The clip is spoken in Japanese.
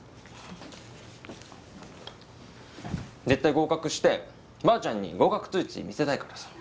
絶対合格してばあちゃんに合格通知見せたいからさ。